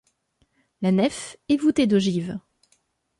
La nef est voûtée d'ogives.